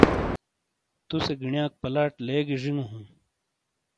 تُوسے گِینیاک پلاٹ لیگی زِینگو ہوں۔